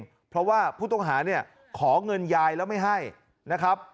เพราะว่าผู้ต้องหาเนี่ยขอเงินยายแล้วไม่ให้นะครับ